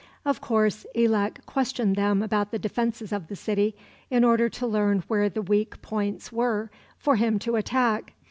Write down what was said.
Of course, Elak questioned them about the defenses of the city, in order to learn where the weak points were for him to attack.